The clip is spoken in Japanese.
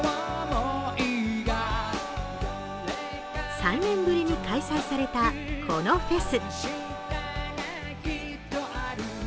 ３年ぶりに開催されたこのフェス。